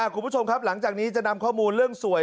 คุณผู้ชมครับหลังจากนี้จะนำข้อมูลเรื่องสวย